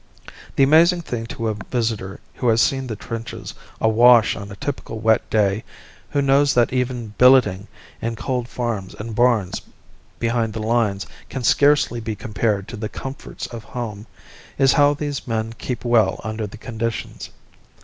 The amazing thing to a visitor who has seen the trenches awash on a typical wet day, who knows that even billeting in cold farms and barns behind the lines can scarcely be compared to the comforts of home, is how these men keep well under the conditions.